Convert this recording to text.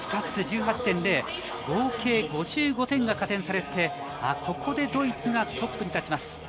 合計５５点が加点されてここでドイツがトップに立ちます。